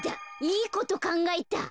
いいことかんがえた。